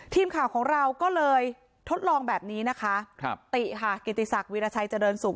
ทีมข่าวของเราก็เลยทดลองแบบนี้นะคะครับติค่ะกิติศักดิราชัยเจริญสุข